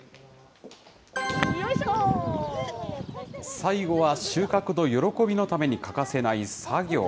最後は収穫の喜びのために欠かせない作業。